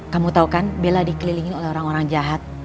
kamu tau kan bella dikelilingi oleh orang orang jahat